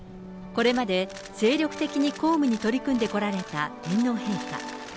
これまで精力的に公務に取り組んでこられた天皇陛下。